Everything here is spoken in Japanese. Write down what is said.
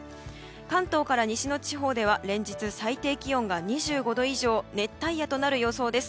関東から西の地方では連日最低気温が２５度以上の熱帯夜となる予報です。